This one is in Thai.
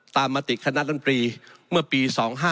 ตามมาติดคณะด้านปรีเมื่อปี๒๕๓๗